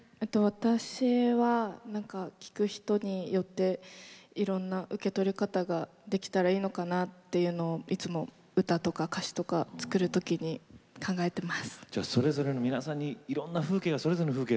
私は聴く人によっていろいろな受け取り方ができたらいいのかなといつも歌とか歌詞とか作る時に考えています。